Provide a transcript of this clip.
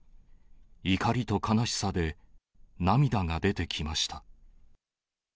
怒りと悲しさで涙が出てきました。